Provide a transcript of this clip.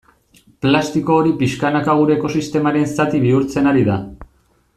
Plastiko hori pixkanaka gure ekosistemaren zati bihurtzen ari da.